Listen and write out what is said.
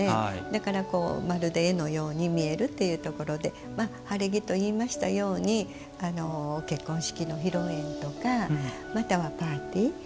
だから、まるで絵のように見えるというところで晴れ着といいましたように結婚式の披露宴とかまたはパーティー。